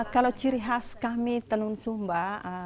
kalau ciri khas kami tenun sumba